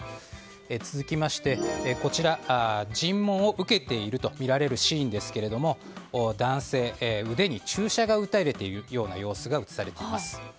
続きましてこちら尋問を受けているとみられる市民ですけど男性の腕に注射が打たれている様子が写されています。